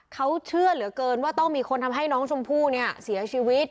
เขาเชื่อเหลือเกินว่าต้องมีคนทำให้น้องชมพู่เนี่ยเสียชีวิต